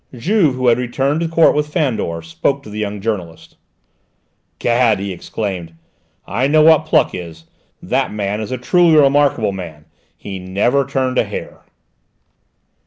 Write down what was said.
Juve, who had returned to court with Fandor, spoke to the young journalist. "'Gad!" he exclaimed, "I know what pluck is. That man is a truly remarkable man: he never turned a hair!"